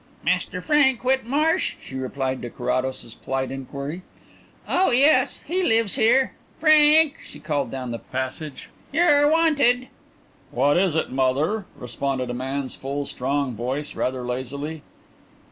"Mr Frank Whitmarsh?" she replied to Carrados's polite inquiry; "oh yes, he lives here. Frank," she called down the passage, "you're wanted." "What is it, mother?" responded a man's full, strong voice rather lazily.